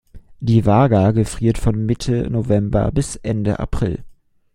Die Waga gefriert von Mitte November bis Ende April.